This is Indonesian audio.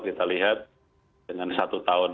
kita lihat dengan satu tahun